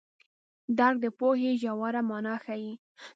درک د پوهې ژوره مانا ښيي.